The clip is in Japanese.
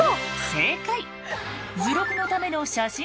正解！